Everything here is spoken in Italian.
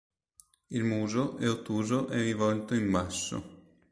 Il muso è ottuso e rivolto in basso.